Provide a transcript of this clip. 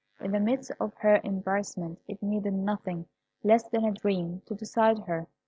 In the midst of her embarrassment, it needed nothing less than a dream to decide her.